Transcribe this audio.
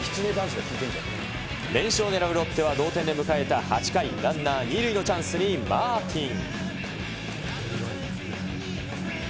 連勝をねらうロッテは、同点で迎えた８回、ランナー２塁のチャンスにマーティン。